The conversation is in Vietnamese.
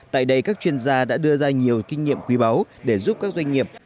tại đây các chuyên gia đã đưa ra nhiều kinh nghiệm quý báu để giúp các doanh nghiệp